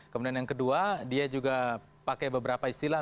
kemudian yang kedua dia juga pakai beberapa istilah